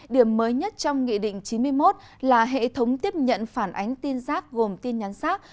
điểm mới nhất trong nghị định chín mươi một là hệ thống tiếp nhận phản ánh tin rác gồm tin nhắn rác